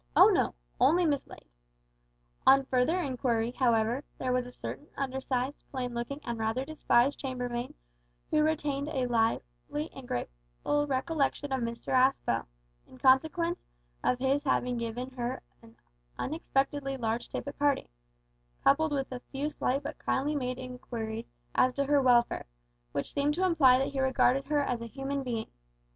Oh no only mislaid! On further inquiry, however, there was a certain undersized, plain looking, and rather despised chamber maid who retained a lively and grateful recollection of Mr Aspel, in consequence of his having given her an unexpectedly large tip at parting, coupled with a few slight but kindly made inquiries as to her welfare, which seemed to imply that he regarded her as a human being.